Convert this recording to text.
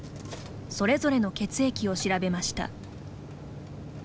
それぞれの血液を調べました。